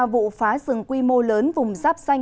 vụ phá rừng quy mô lớn vùng giáp xanh